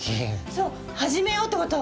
そうはじめようってこと。